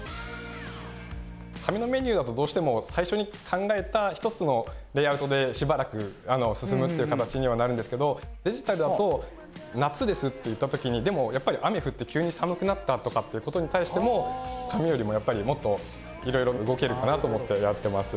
紙のメニューだとどうしても最初に考えた１つのレイアウトでしばらく進むっていう形にはなるんですけどデジタルだと「夏です」っていった時にでもやっぱり雨降って急に寒くなったとかっていうことに対しても紙よりもやっぱりもっといろいろ動けるかなと思ってやってます。